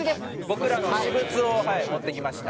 僕らの私物を持ってきました。